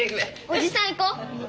おじさん行こう。